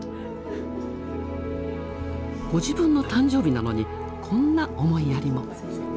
ご自分の誕生日なのにこんな思いやりも。